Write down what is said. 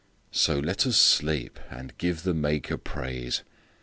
So let us sleep, and give the Maker praise.